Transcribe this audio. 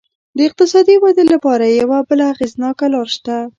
د اقتصادي ودې لپاره یوه بله اغېزناکه لار شته.